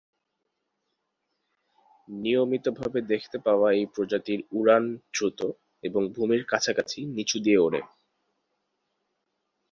নিয়মিত ভাবে দেখতে পাওয়া এই প্রজাতির উড়ান দ্রুত এবং ভূমির কাছাকাছি নিচু দিয়ে ওড়ে।